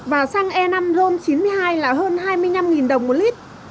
và xăng e năm ron chín mươi hai là hơn hai mươi năm đồng một lít